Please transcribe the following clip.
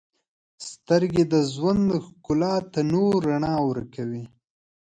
• سترګې د ژوند ښکلا ته نور رڼا ورکوي.